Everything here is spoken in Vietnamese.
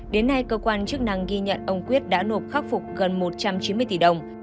đến nay cơ quan chức năng ghi nhận ông quyết đã nộp khắc phục gần một trăm chín mươi tỷ đồng